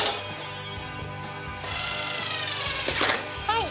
はい！